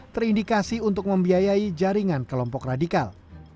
terindikasi untuk membiayai jaringan kelompok radikal